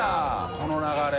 この流れ。